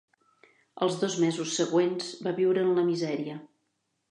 Els dos mesos següents va viure en la misèria.